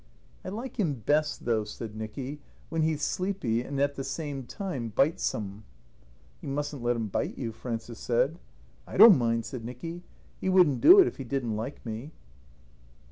"I like him best, though," said Nicky, "when he's sleepy and at the same time bitesome." "You mustn't let him bite you," Frances said. "I don't mind," said Nicky. "He wouldn't do it if he didn't like me."